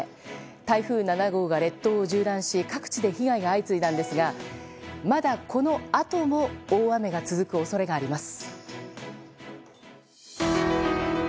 台風７号が列島を縦断し各地で被害が相次いだんですがまだこのあとも大雨が続く恐れがあります。